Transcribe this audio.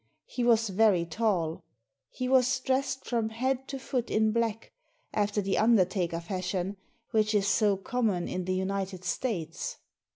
He was very talL He was dressed from head to foot in black, after the undertaker fashion, which is so common in the United States.